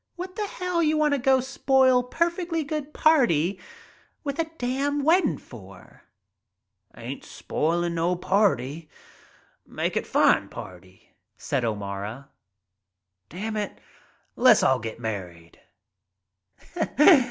"What th' hell you wanta go an* spoil per f e'tly good party with a damn weddin' for ?". "Ain't spoilin' no party. Make it fine party," said O'Mara. "Damn it, le's all get married."